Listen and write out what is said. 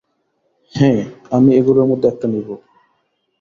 হ্যাঁ, আমি এগুলোর মধ্যে একটা নেব।